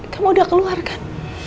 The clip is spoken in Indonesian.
kamu udah keluar kan